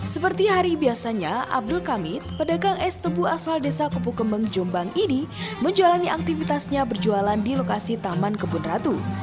seperti hari biasanya abdul kamit pedagang es tebu asal desa kupu kemeng jombang ini menjalani aktivitasnya berjualan di lokasi taman kebun ratu